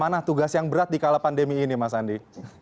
mana tugas yang berat di kala pandemi ini mas andi